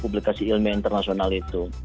publikasi ilmiah internasional itu